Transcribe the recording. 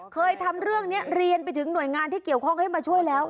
เคยทำเรื่องนี้เรียนไปถึงหน่วยงานที่เกี่ยวข้องให้มาช่วยแล้ว